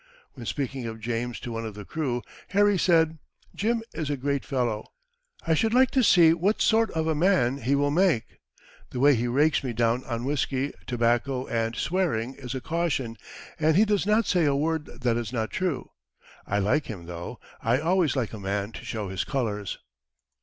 When speaking of James to one of the crew, Harry said, "Jim is a great fellow. I should like to see what sort of a man he will make. The way he rakes me down on whisky, tobacco, and swearing is a caution, and he does not say a word that is not true. I like him, though. I always like a man to show his colours."